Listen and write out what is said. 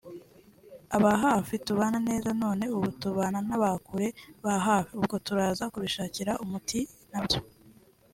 aba hafi tubana neza none ubu tubana n’aba kure aba hafi […] ubwo turaza kubishakira umuti nabyo